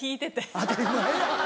当たり前や。